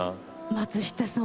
松下さん